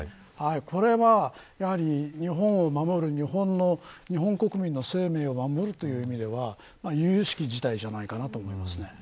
これは、日本を守る日本国民の生命を守るという意味ではゆゆしき事態だと思います。